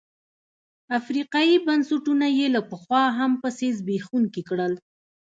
افریقايي بنسټونه یې له پخوا هم پسې زبېښونکي کړل.